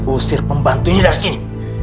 usir pembantu ini dari sini